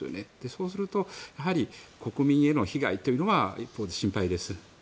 そうするとやはり国民への被害というのは一方で心配です。